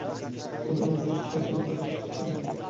আমি কোনো শ্বেতাঙ্গ ছেলের সাথে নাচিনি।